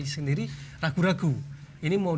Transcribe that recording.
sendiri ragu ragu ini mau